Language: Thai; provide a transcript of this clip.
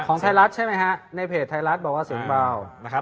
ของไทยรัฐใช่ไหมฮะในเพจไทยรัฐบอกว่าเสียงเบานะครับ